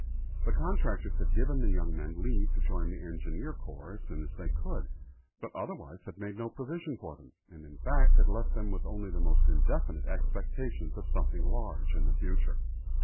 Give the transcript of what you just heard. The contractors had given the young men leave to join the engineer corps as soon as they could, but otherwise had made no provision for them, and in fact had left them with only the most indefinite expectations of something large in the future.